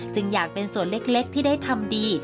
อยากเป็นส่วนเล็กที่ได้ทำดี